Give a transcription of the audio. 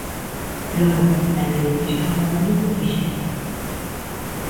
logo, en tanto lle chiscaba o ollo, díxolle: